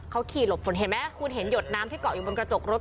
เขาขี่หลบฝนเห็นไหมคุณเห็นหยดน้ำที่เกาะอยู่บนกระจกรถ